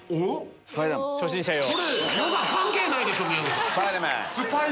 それヨガ関係ないでしょ宮野さん。